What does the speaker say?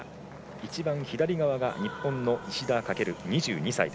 一番左側が日本の石田駆、２２歳。